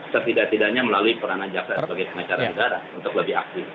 setidak tidaknya melalui peranan jaksa sebagai pengacara negara untuk lebih aktif